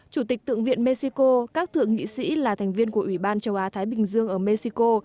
chủ tịch thượng viện mexico các thượng nghị sĩ là thành viên của ủy ban châu á thái bình dương ở mexico